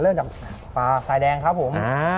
เริ่มจากปลาสายแดงครับผม